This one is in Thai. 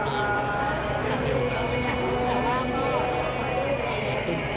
ตอนนี้เป็นครั้งหนึ่งครั้งหนึ่ง